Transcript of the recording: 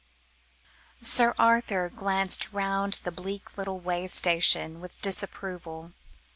Sir Arthur glanced round the bleak little wayside station with disapproval.